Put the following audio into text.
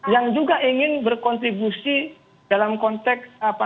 yang juga ingin berkontribusi dalam konteks